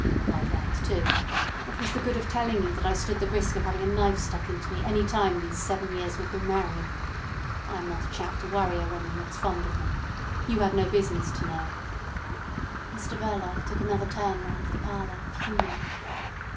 Quite right, too. What was the good of telling you that I stood the risk of having a knife stuck into me any time these seven years we've been married? I am not a chap to worry a woman that's fond of me. You had no business to know." Mr Verloc took another turn round the parlour, fuming.